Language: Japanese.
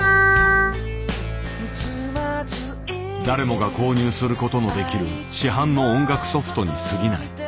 誰もが購入することのできる市販の音楽ソフトにすぎない。